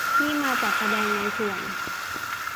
ที่มาจัดแสดงในส่วน